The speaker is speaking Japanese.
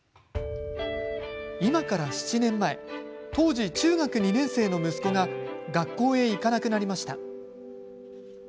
今から７年前当時、中学２年生の息子が学校へ行かなくなりました。